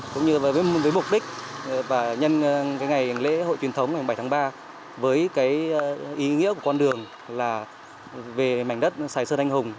cũng như với mục đích và nhân cái ngày lễ hội truyền thống ngày bảy tháng ba với cái ý nghĩa của con đường là về mảnh đất sài sơn anh hùng